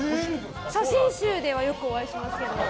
写真集ではよくお会いしますけど。